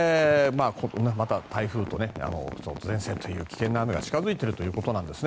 また台風と前線という危険な雨が近付いているということです。